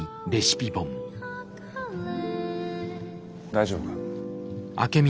大丈夫か？